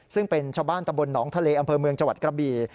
ซึ่งเป็นชาวบ้านตำรวจหนองทะเลอเมืองจกระบี